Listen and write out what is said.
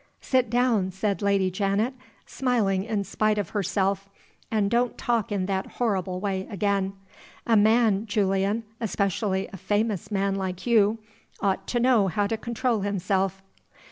"Sit down," said Lady Janet, smiling in spite of herself; "and don't talk in that horrible way again. A man, Julian especially a famous man like you ought to know how to control himself."